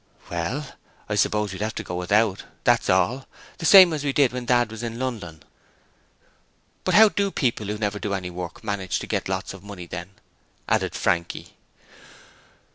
'Well, I suppose we'd have to go without, that's all, the same as we did when Dad was in London.' 'But how do the people who never do any work manage to get lots of money then?' added Frankie.